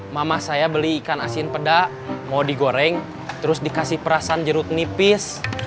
mama saya beli ikan asin pedak mau digoreng terus dikasih perasan jeruk nipis